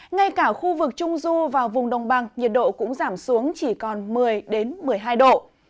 ngay cả khu vực trung du và vùng đồng bằng nhiệt độ cũng giảm xuống chỉ còn một mươi một mươi hai độ